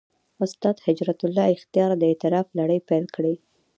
استاد هجرت الله اختیار د «اعتراف» لړۍ پېل کړې.